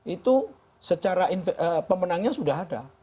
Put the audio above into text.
itu secara pemenangnya sudah ada